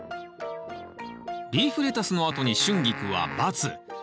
リーフレタスのあとにシュンギクはバツ。